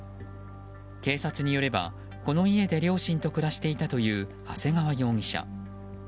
警察によれば、この家で両親と暮らしていたという長谷川容疑者。